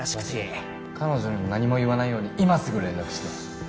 バシ彼女にも何も言わないように今すぐ連絡して。